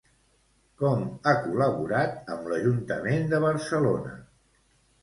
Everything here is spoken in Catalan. Com ha col·laborat amb l'Ajuntament de Barcelona?